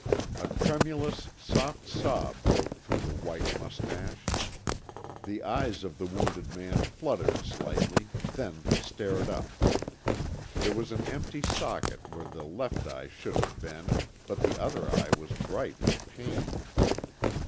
A tremulous soft sob broke through the white mustache. The eyes of the wounded man fluttered slightly, then stared up. There was an empty socket where the left eye should have been, but the other eye was bright with pain.